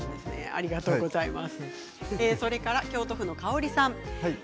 ありがとうございます。